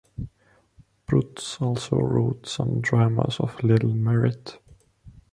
Prutz also wrote some dramas of little merit.